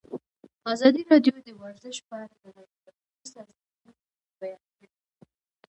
ازادي راډیو د ورزش په اړه د غیر دولتي سازمانونو رول بیان کړی.